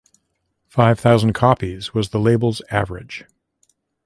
Five thousand copies was the label's average.